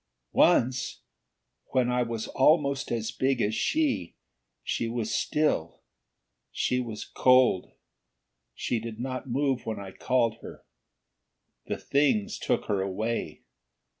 "Once, when I was almost as big as she she was still. She was cold. She did not move when I called her. The Things took her away.